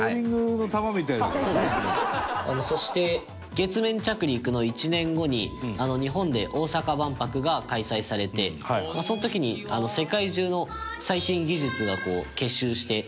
隆貴君：そして月面着陸の１年後に日本で大阪万博が開催されてその時に世界中の最新技術が結集して。